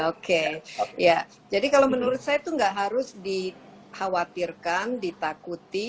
oke ya jadi kalau menurut saya itu nggak harus dikhawatirkan ditakuti